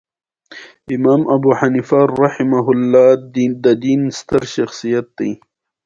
په ځان د باور ژبه: